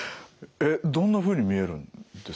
えっどんなふうに見えるんですか？